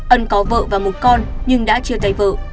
ân có vợ và một con nhưng đã chia tay vợ